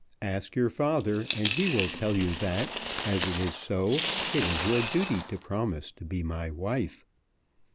Ask your father, and he will tell you that, as it is so, it is your duty to promise to be my wife.